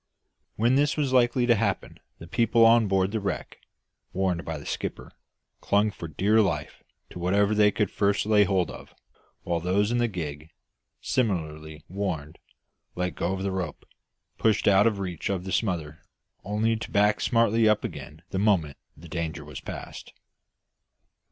When this was likely to happen the people on board the wreck warned by their skipper clung for dear life to whatever they could first lay hold of, while those in the gig, similarly warned, letting go the rope, pulled out of reach of the smother, only to back smartly up again the moment the danger was past.